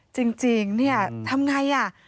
จริงทำไง